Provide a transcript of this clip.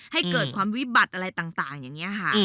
ให้เกิดความวิบัติอะไรต่างอย่างนี้ค่ะ